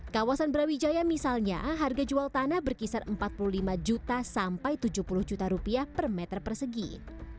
kawasan brawijaya misalnya harga jual tanah berkisar rp empat puluh lima rp tujuh puluh per meter persegi